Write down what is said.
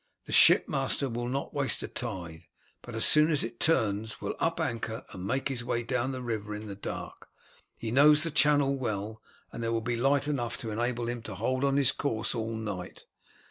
"The shipmaster will not waste a tide, but as soon as it turns will up anchor and make his way down the river in the dark. He knows the channel well, and there will be light enough to enable him to hold on his course all night.